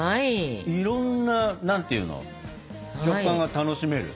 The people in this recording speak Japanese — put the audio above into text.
いろんな何ていうの食感が楽しめる。